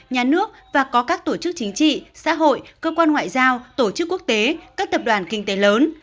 nhà nước và có các tổ chức chính trị xã hội cơ quan ngoại giao tổ chức quốc tế các tập đoàn kinh tế lớn